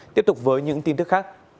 tiếp tục với những tin tức khác